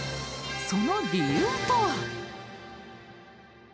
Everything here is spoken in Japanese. その理由とは？